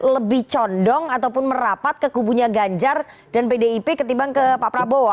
lebih condong ataupun merapat ke kubunya ganjar dan pdip ketimbang ke pak prabowo